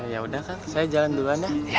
ya udah kak saya jalan duluan ya